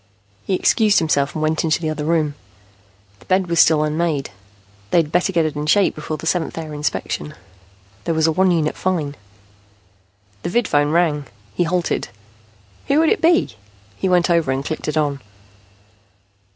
He excused himself and went into the other room. The bed was still unmade. They had better get it in shape before the seventh hour inspection. There was a one unit fine The vidphone rang. He halted. Who would it be? He went over and clicked it on.